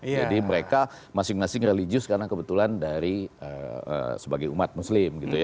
jadi mereka masing masing religius karena kebetulan dari sebagai umat muslim